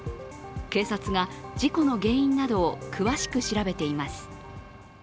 警察が事故の原因などを詳しく調べています。